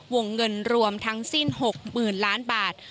วงเงินรวมทั้งสิ้นหกหมื่นล้านบาท